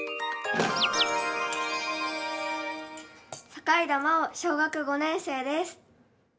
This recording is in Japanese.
境田真桜、小学５年生です。